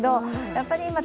やっぱり今は